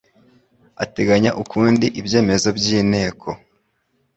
ateganya ukundi ibyemezo by inteko